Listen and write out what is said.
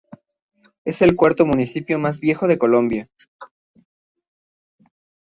Es el cuarto municipio más viejo de Colombia.